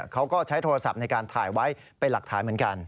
เขาก็ใช้โทรศัพท์ในการถ่ายไว้เป็นหลักฐานเหมือนกัน